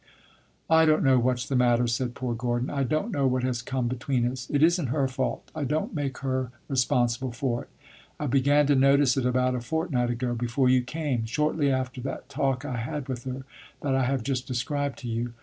"I don't know what 's the matter," said poor Gordon. "I don't know what has come between us. It is n't her fault I don't make her responsible for it. I began to notice it about a fortnight ago before you came; shortly after that talk I had with her that I have just described to you.